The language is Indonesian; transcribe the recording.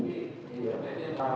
ini kan di